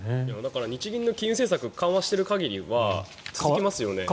日銀の金融政策が緩和している限りは続きますよね。